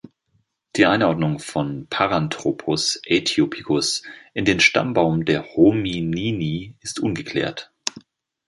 Die Einordnung von "Paranthropus aethiopicus" in den Stammbaum der Hominini ist ungeklärt.